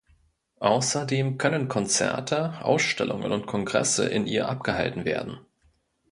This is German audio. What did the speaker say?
Außerdem können Konzerte, Ausstellungen und Kongresse in ihr abgehalten werden.